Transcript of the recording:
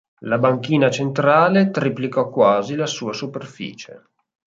La banchina centrale triplicò quasi la sua superficie.